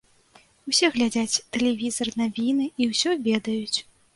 Усе глядзяць тэлевізар, навіны, і ўсё ведаюць.